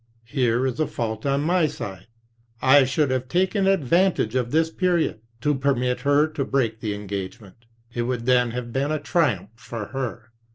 Here is a fault on my side. I should have taken advantage of this period to permit her to break the engagement; it would then have been a triumph for her.